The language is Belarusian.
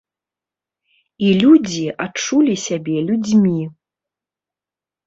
І людзі адчулі сябе людзьмі.